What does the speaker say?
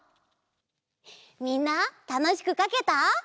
みんなたのしくかけた？